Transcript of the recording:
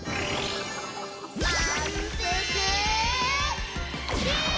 まんぷくビーム！